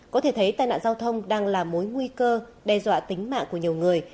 có thể thấy tai nạn giao thông đang là mối nguy cơ đe dọa tính mạng của nhiều người